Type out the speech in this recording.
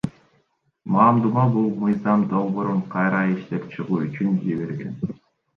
Мамдума бул мыйзам долбоорун кайра иштеп чыгуу үчүн жиберген.